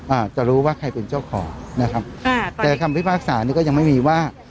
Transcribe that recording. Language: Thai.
อาจจะรู้ว่าใครเป็นเจ้าของนะครับค่ะแต่คำพิพากษานี่ก็ยังไม่มีว่า